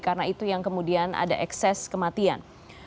karena itu yang kemudian ada ekses kematian